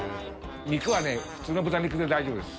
肉はね普通の豚肉で大丈夫です。